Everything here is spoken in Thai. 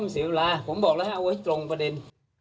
ไม่ต้องเสียเวลาผมบอกแล้วนะครับเอาไว้ตรงประเด็น